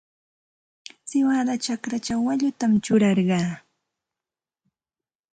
Siwada chakrachaw waallutam churarqaa.